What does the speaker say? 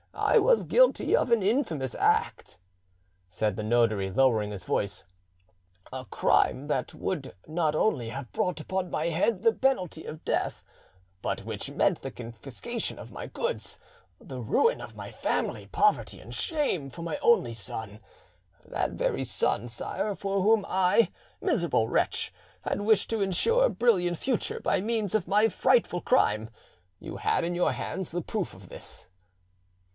I was guilty of an infamous act," said the notary, lowering his voice, "a crime that would not only have brought upon my head the penalty of death, but which meant the confiscation of my goods, the ruin of my family, poverty and shame for my only son—that very son, sire, for whom I, miserable wretch, had wished to ensure a brilliant future by means of my frightful crime: you had in your hands the proofs of this!